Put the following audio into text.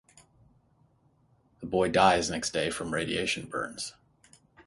The boy dies next day from radiation burns.